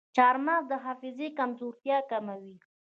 چارمغز د حافظې کمزورتیا کموي.